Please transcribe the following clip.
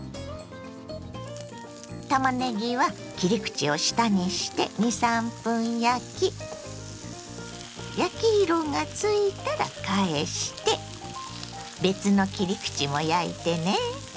たまねぎは切り口を下にして２３分焼き焼き色がついたら返して別の切り口も焼いてね。